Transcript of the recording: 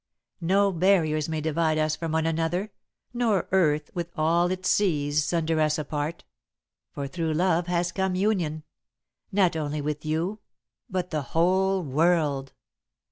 No barriers may divide us from one another, nor earth with all its seas sunder us apart, for through love has come union, not only with you but the whole world.